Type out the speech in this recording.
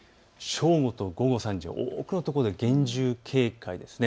正午と午後３時、多くの所で厳重警戒です。